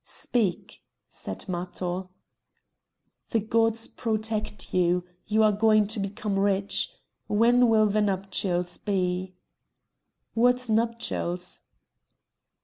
"Speak!" said Matho. "The gods protect you; you are going to become rich. When will the nuptials be?" "What nuptials?"